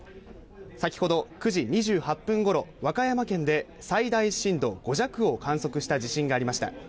先ほど９時２８分ごろ和歌山県で最大震度５弱を観測した地震がありました。